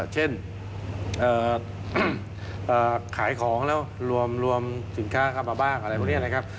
เช่นขายของแล้วรวมสินค้าเข้ามาบ้างอะไรพวกนี้นะครับ